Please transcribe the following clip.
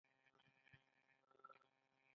آیا د ښوونځیو ودانۍ جوړې شوي؟